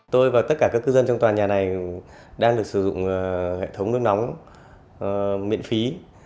tôi và tất cả các cư dân trong tòa nhà này đang được sử dụng hệ thống nước nóng miễn phí